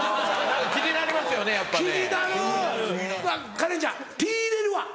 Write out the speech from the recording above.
カレンちゃんピ入れるわ。